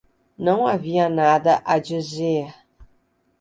Não havia nada a dizer.